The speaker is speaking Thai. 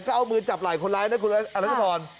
ก็เอามือจับไหลคนร้ายนะคุณร้าย